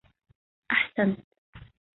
أحسنت!